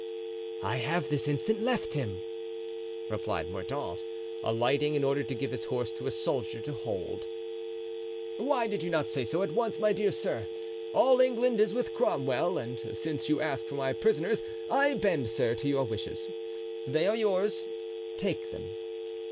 "I have this instant left him," replied Mordaunt, alighting, in order to give his horse to a soldier to hold. "Why did you not say so at once, my dear sir! all England is with Cromwell; and since you ask for my prisoners, I bend, sir, to your wishes. They are yours; take them."